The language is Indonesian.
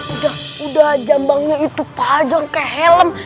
udah udah jambangnya itu padang kayak helm